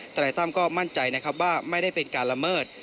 นายตั้มก็มั่นใจนะครับว่าไม่ได้เป็นการละเมิด